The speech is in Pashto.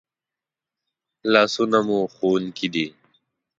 لاسونه مو ښوونکي دي